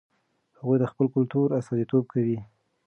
هغوی د خپل کلتور استازیتوب کوي.